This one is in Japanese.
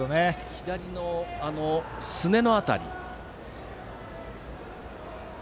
左のすねの辺り。